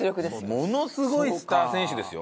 ものすごいスター選手ですよ。